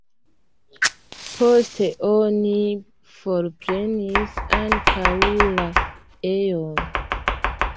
Poste oni forprenis ankaŭ la ejon.